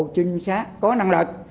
trinh sát có năng lực